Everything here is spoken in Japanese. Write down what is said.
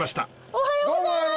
おはようございます！